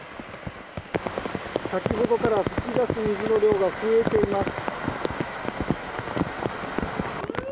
先ほどから噴き出す水の量が増えています。